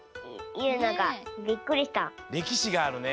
れきしがあるね。